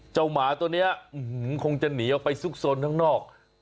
เจ้าหมาตัวนี้คงจะหนีไปสุกสนทางนอก